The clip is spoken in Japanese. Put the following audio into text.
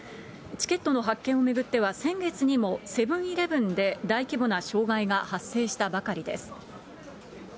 チケットの発券を巡っては、先月にもセブンーイレブンで大規模な障害が発生したばかりです。